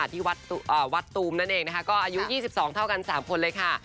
ที่วัดตูมนั่นเองนะคะก็อายุ๒๒เท่ากัน๓คนเลยค่ะ